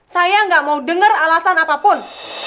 saya nggak mau dengar alasan apapun